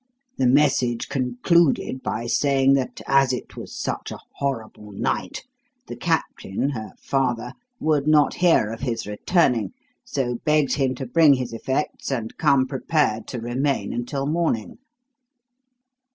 The message concluded by saying that as it was such a horrible night, the Captain, her father, would not hear of his returning, so begged him to bring his effects, and come prepared to remain until morning.